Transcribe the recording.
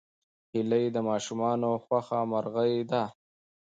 هیلۍ د ماشومانو خوښ مرغه ده